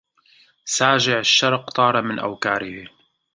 ساجع الشرق طار عن أوكاره